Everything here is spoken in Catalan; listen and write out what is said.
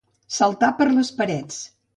Saltar per les parets.